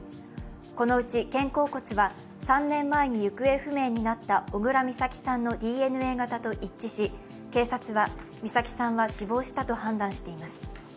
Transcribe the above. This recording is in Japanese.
このうち肩甲骨は、３年前に行方不明になった小倉美咲さんのＤＮＡ型と一致し、警察は美咲さんは死亡したと判断しています。